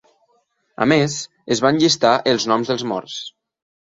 A més, es van llistar els noms dels morts.